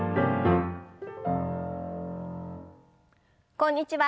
こんにちは。